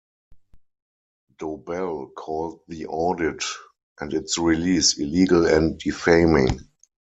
Dobelle called the audit and its release illegal and defaming.